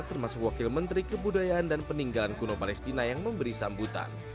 termasuk wakil menteri kebudayaan dan peninggalan kuno palestina yang memberi sambutan